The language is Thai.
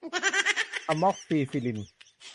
อะม็อกซี่ซิลีน